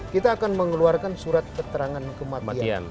kita akan mengeluarkan surat keterangan kematian